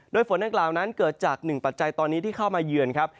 โดยฝนดังกล่าวนั้นเกิดจากหนึ่งปัจจัยตอนนี้ที่เข้ามาเยือนครับ